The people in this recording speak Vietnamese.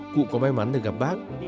cụ có may mắn được gặp bác